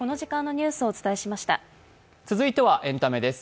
続いてはエンタメです。